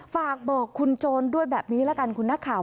ฝากบอกคุณโจรด้วยแบบนี้ละกันคุณนักข่าว